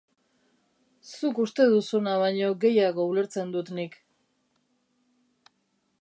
Zuk uste duzuna baino gehiago ulertzen dut nik.